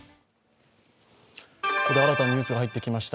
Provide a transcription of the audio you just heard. ここで新たなニュースが入ってきました。